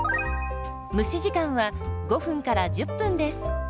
蒸し時間は５１０分です。